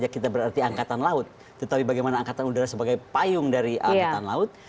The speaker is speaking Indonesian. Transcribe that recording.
kita berarti angkatan laut tetapi bagaimana angkatan udara sebagai payung dari angkatan laut